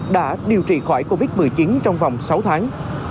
đã điều trị khỏi covid một mươi chín trong vòng sáu tháng